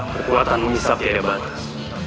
kekuatan menghisap tidak batas